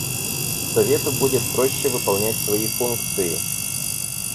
Совету будет проще выполнять свои функции.